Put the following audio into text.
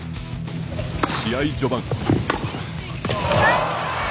試合序盤。